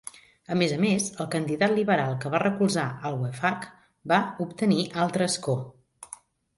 A més a més, el candidat liberal que va recolzar Al-Wefaq va obtenir altre escó.